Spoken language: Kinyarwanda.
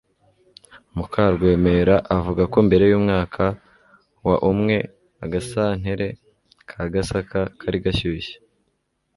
Mukarwemera avuga ko mbere y'umwaka wa umwe agasantere ka Gasaka kari gashyushye